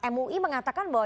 mui mengatakan bahwa